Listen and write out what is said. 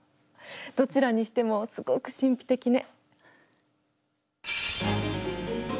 どちらにしてもすごく神秘的ね。